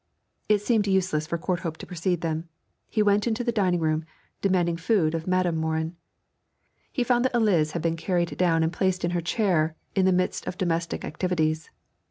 It seemed useless for Courthope to precede them; he went into the dining room, demanding food of Madam Morin. He found that Eliz had been carried down and placed in her chair in the midst of domestic activities.